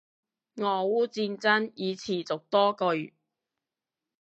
俄烏戰爭已持續多個月